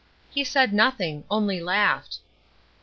"He said nothing only laughed."